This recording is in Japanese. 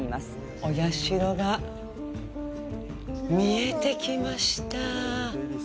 お社が見えてきました。